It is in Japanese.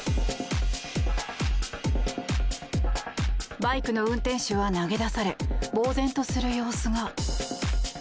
バイクの運転手は投げ出されぼうぜんとする様子が。